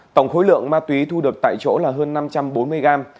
tổng khối lượng ma túy thu được tại chỗ là hơn năm trăm bốn mươi gram